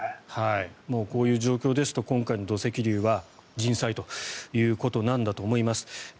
こういう状況ですと今回の土石流は人災ということなんだと思います。